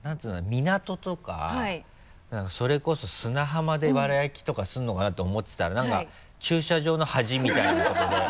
港とか何かそれこそ砂浜で藁焼きとかするのかなと思ってたら何か駐車場の端みたいなとこで。